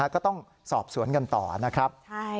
ก็ต้องสอบสวนกันต่อนะครับ